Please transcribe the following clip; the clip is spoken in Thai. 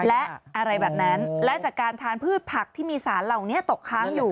และอะไรแบบนั้นและจากการทานพืชผักที่มีสารเหล่านี้ตกค้างอยู่